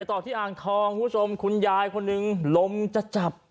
ต่อที่อ่านทองคุณยายคนนึงล้มจะจับ